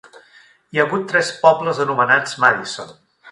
Hi ha hagut tres pobles anomenats Madison.